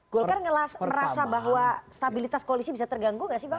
golkar merasa bahwa stabilitas koalisi bisa terganggu gak sih bang